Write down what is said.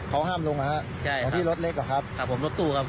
เขาห้ามลงเหรอครับที่รถเล็กเหรอครับครับผมรถตู้ครับ